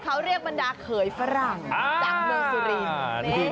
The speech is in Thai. เขาเรียกบรรดาเขยฝรั่งจากเมืองสุรินทร์